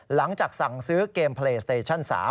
หลังจากสั่งซื้อเกมเพลย์สเตชั่น๓